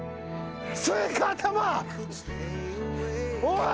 おい！